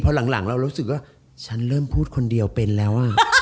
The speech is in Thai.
พอหลังเรารู้สึกว่าฉันเริ่มพูดคนเดียวเป็นแล้ว